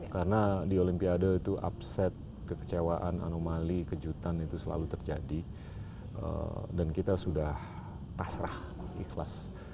karena di olimpiade itu upset kekecewaan anomali kejutan itu selalu terjadi dan kita sudah pasrah ikhlas